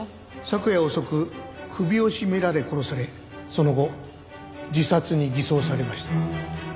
昨夜遅く首を絞められ殺されその後自殺に偽装されました。